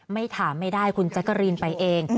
ไม่ถามไม่ได้คุณแจ๊กกะรีนไปเอง